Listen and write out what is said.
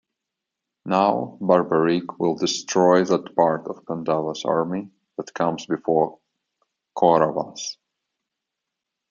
Now, Barbareek will destroy that part of Pandavas army that comes before Kauravas.